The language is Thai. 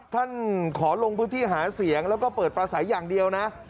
ท่านขอลงพื้นที่หาเสียงแล้วก็เปิดประสัยอย่างเดียวนะ